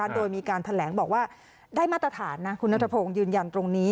โดยมีการแถลงบอกว่าได้มาตรฐานนะคุณนัทพงศ์ยืนยันตรงนี้